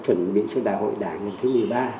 chuẩn bị cho đại hội đảng